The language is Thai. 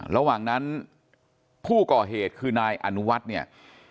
ระหว่างนั้นผู้ก่อเหตุคือนายอนุวัฒน์เนี่ย